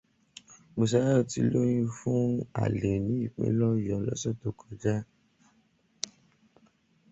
Bùsáyọ̀ ti lóyún fún àlè ní ìpínlẹ̀ Ọ̀yọ́ lọ́sẹ̀ tó kọjá.